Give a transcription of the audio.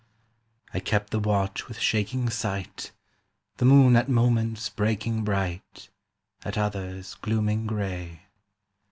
. I kept the watch with shaking sight, The moon at moments breaking bright, At others glooming gray.